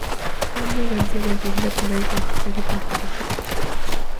Juan de Gante volvió a Inglaterra y consiguió evitar el conflicto.